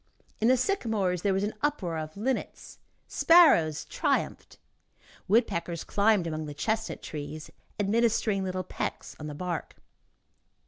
In the sycamores there was an uproar of linnets, sparrows triumphed, woodpeckers climbed along the chestnut trees, administering little pecks on the bark.